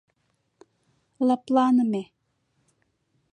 Лыпланыме